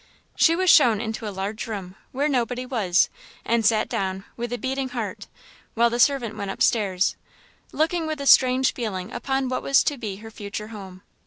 She was shown into a large room, where nobody was, and sat down, with a beating heart, while the servant went upstairs; looking with a strange feeling upon what was to be her future home.